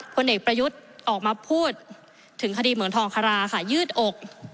ผลเอกประยุทธ์ออกมาพูดถึงคดีเหมือนทองคาราค่ะยืดอก